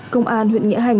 công an huyện nghĩa hành